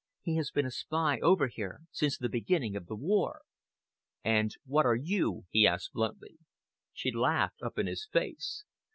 He has been a spy over here since the beginning of the war." "And what are you?" he asked bluntly. She laughed up in his face.